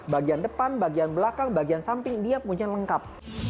bagian depan bagian belakang bagian samping dia punya lengkap